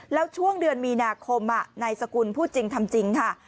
แล้วช่วงเดือนมีนาคมนายสกุลพูดจริงทำจริงค่ะ